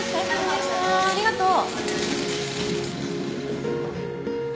ありがとう。